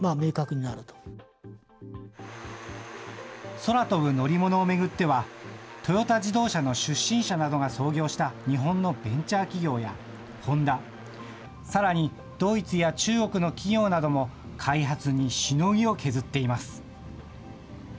空飛ぶ乗り物を巡っては、トヨタ自動車の出身者などが創業した日本のベンチャー企業や、ホンダ、さらにドイツや中国の企業なども開発にしのぎを削っています。